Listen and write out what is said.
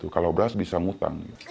kalau beras bisa ngutang